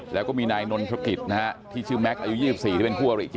แล้วก็มีนายนนทกิจนะฮะที่ชื่อแม็กซ์อายุ๒๔ที่เป็นคู่อริ